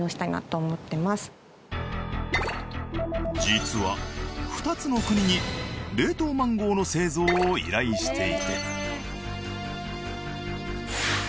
実は２つの国に冷凍マンゴーの製造を依頼していて。